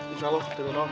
insya allah tuhan